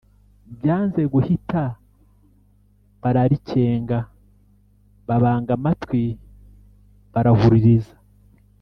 Byanze guhita bararikenga: Babanga amatwi barahuririza,